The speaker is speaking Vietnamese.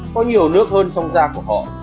có nhiều nước hơn trong da của họ